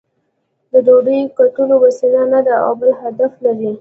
د ډوډۍ ګټلو وسیله نه ده او بل هدف لري.